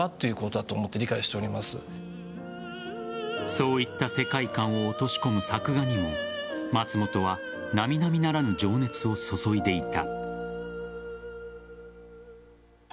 そういった世界観を落とし込む作画にも松本は並々ならぬ情熱を注いでいた。